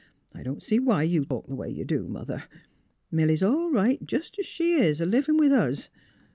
I don't see why you talk the way you do, Mother. Milly 's all right, jes 's she is, a livin' with us.